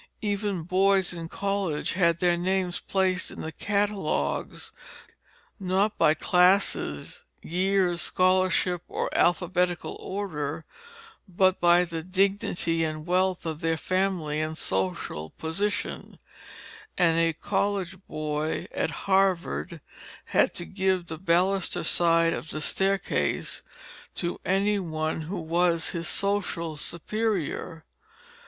Even boys in college had their names placed in the catalogues, not by classes, years, scholarship, or alphabetical order, but by the dignity and wealth of their family and social position; and a college boy at Harvard had to give the baluster side of the staircase to any one who was his social superior.